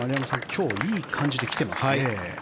今日いい感じで来てますね。